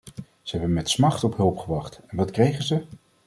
Ze hebben met smacht op hulp gewacht, en wat kregen ze?